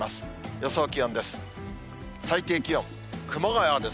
予想気温です。